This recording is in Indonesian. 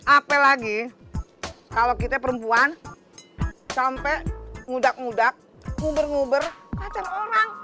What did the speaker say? apel lagi kalau kita perempuan sampai ngudak ngudak nguber nguber kacang orang